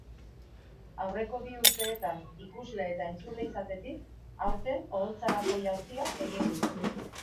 Aurreko bi urteetan ikusle eta entzule izatetik, aurten oholtzarako jauzia egingo du.